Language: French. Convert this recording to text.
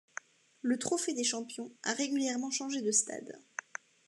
Le Trophée des champions a régulièrement changé de stade.